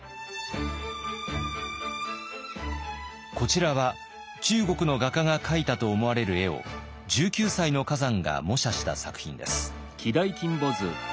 こちらは中国の画家が描いたと思われる絵を１９歳の崋山が模写した作品です。